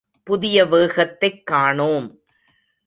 புதிய வேகத்தைக் காணோம்.